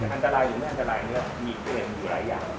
อันตรายหรือไม่อันตรายเนี่ยมีเกณฑ์อยู่หลายอย่าง